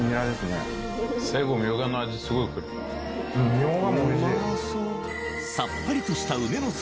ミョウガもおいしい。